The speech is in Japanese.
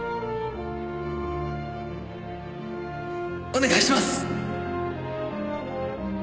お願いします！